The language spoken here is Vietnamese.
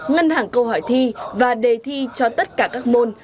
ngân hàng câu hỏi thi và đề thi cho tất cả các môn